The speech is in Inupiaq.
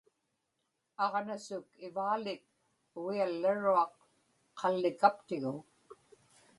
aġnasuk ivaalik ugiallaruaq qallikaptigu